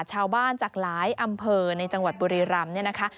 ชาวบ้านจากหลายอ่ำเผอในจังหวัดบุรีรัมณ์เนี่ยนะคะ